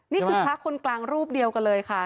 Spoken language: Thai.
นี่คือพระคนกลางรูปเดียวกันเลยค่ะ